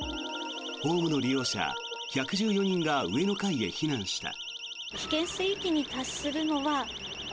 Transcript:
ホームの利用者１１４人が上の階へ避難した。